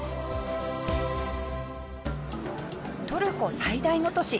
トルコ最大の都市